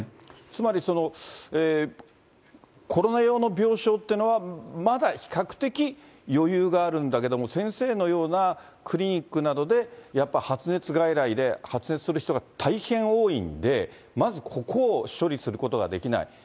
つまりコロナ用の病床っていうのは、まだ比較的余裕があるんだけれども、先生のようなクリニックなどで、やっぱ発熱外来で発熱する人が大変多いんで、まずここを処理することができない。